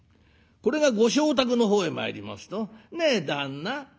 これがご妾宅の方へ参りますと「ねえ旦那」。